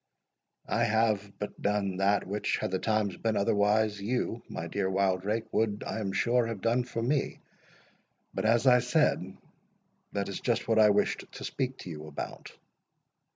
"I have but done that which, had the times been otherwise, you, my dear Wildrake, would, I am sure, have done for me. But, as I said, that is just what I wished to speak to you about.